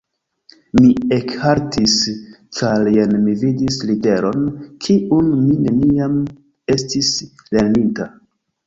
Mi ekhaltis, ĉar jen mi vidis literon, kiun mi neniam estis lerninta.